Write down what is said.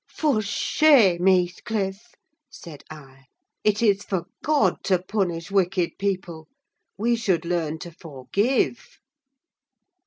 "For shame, Heathcliff!" said I. "It is for God to punish wicked people; we should learn to forgive."